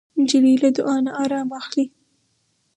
نجلۍ له دعا نه ارام اخلي.